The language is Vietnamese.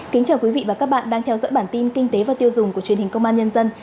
kính chào quý vị và các bạn đang theo dõi bản tin kinh tế và tiêu dùng của truyền hình công an nhân dân